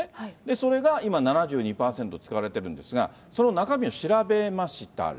それが今、７２％使われているんですが、その中身を調べましたら。